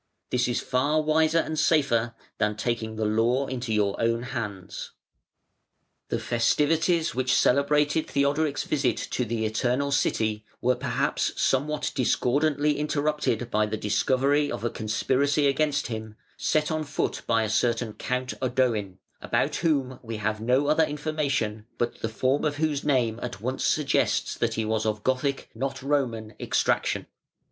This is far wiser and safer than taking the law into your own hands". The festivities which celebrated Theodoric's visit to the Eternal City were perhaps somewhat discordantly interrupted by the discovery of a conspiracy against him, set on foot by a certain Count Odoin, about whom we have no other information, but the form of whose name at once suggests that he was of Gothic, not Roman, extraction.